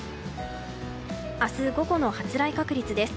明日午後の発雷確率です。